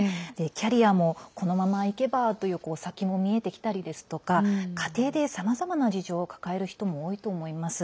キャリアも、このままいけばという先が見えてきたりですとか家庭で、さまざまな事情を抱える人も多いと思います。